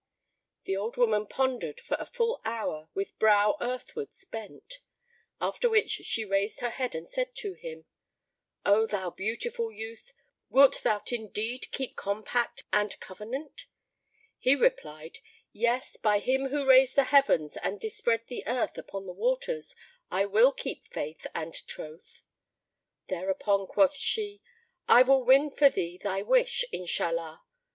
The old woman pondered for a full hour with brow earthwards bent; after which she raised her head and said to him, "O thou beautiful youth, wilt thou indeed keep compact and covenant?" He replied, "Yes, by Him who raised the heavens and dispread the earth upon the waters, I will indeed keep faith and troth!" Thereupon quoth she, "I will win for thee thy wish, Inshallah!